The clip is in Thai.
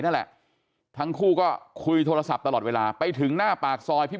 นั่นแหละทั้งคู่ก็คุยโทรศัพท์ตลอดเวลาไปถึงหน้าปากซอยพี่